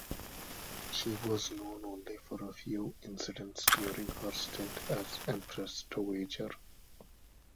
She was known only for a few incidents during her stint as empress dowager.